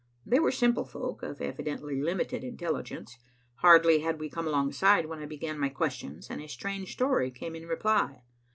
They were simple folk, of evidently limited intelligence. Hardly had we come alongside, when I began my questions, and a strange story came in reply.